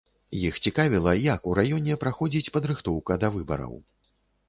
Іх цікавіла, як у раёне праходзіць падрыхтоўка да выбараў.